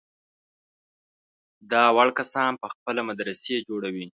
دا وړ کسان په خپله مدرسې جوړوي.